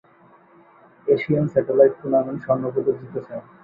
Asian satellite টুর্নামেন্টে স্বর্ণপদক জিতেছেন।